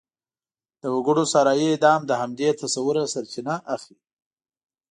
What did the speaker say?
د وګړو صحرايي اعدام د همدې تصوره سرچینه اخلي.